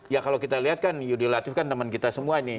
ya kalau kita lihat kan yudi latif kan teman kita semua nih